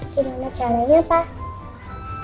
bagaimana caranya pak